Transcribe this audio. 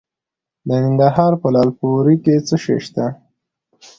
د ننګرهار په لعل پورې کې څه شی شته؟